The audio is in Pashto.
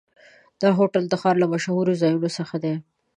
دا هوټل د ښار له مشهورو ځایونو څخه دی.